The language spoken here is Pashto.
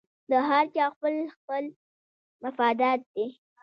د هر چا خپل خپل مفادات دي